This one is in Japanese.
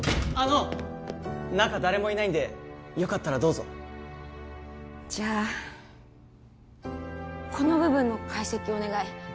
あの中誰もいないんでよかったらどうぞじゃあこの部分の解析をお願い